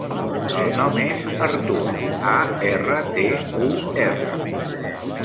El nom és Artur: a, erra, te, u, erra.